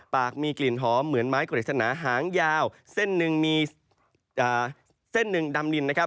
ปากมีกลิ่นหอมเหมือนไม้กระเด็กสนาหางยาวเส้นหนึ่งดำลิน